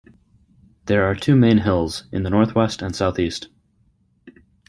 There are two main hills, in the north west and south east.